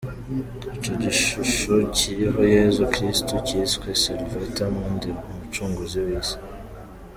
Icyo gishusho kiriho Yezu Kristu, cyiswe Salvator Mundi — ’Umucunguzi w’isi’.